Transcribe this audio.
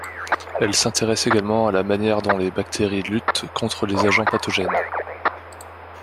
Elle s'intéresse également à la manière dont les bactéries luttent contre les agents pathogènes.